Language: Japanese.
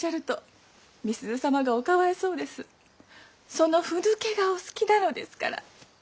その腑抜けがお好きなのですから。